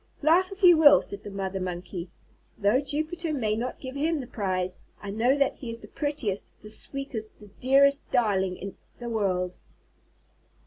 "Laugh if you will," said the Mother Monkey. "Though Jupiter may not give him the prize, I know that he is the prettiest, the sweetest, the dearest darling in the world."